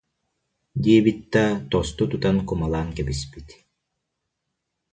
диэбит да, тосту тутан кумалаан кэбиспит